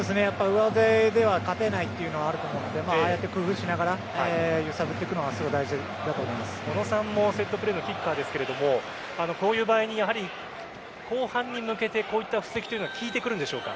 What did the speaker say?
上背では勝てないというのはあると思うのでああやって工夫しながら揺さぶっていくのが小野さんもセットプレーのキッカーですがこういう場合に後半に向けてこういった布石は効いてくるんでしょうか？